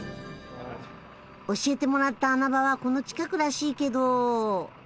教えてもらった穴場はこの近くらしいけど。